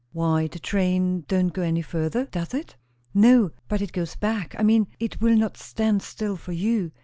"Why, the train don't go any further, does it?" "No! but it goes back. I mean, it will not stand still for you.